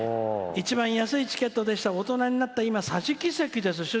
一番安いチケットでしたが大人になった今桟敷席です。